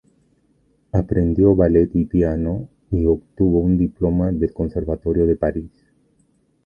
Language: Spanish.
Aprendió ballet y piano y obtuvo un diploma del Conservatorio de París.